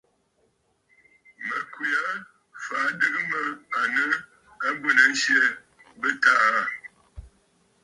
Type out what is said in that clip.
Mə̀ kwe aa fàa adɨgə mə à nɨ abwenənsyɛ bɨ̂taà aà.